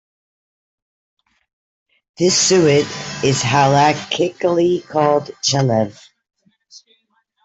This suet is Halakhically called "chelev".